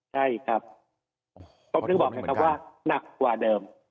ใช่ครับผมถึงบอกนะครับว่าหนักกว่าเดิม